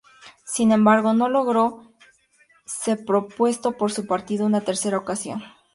Sin embargo no logró se propuesto por su partido una tercera ocasión.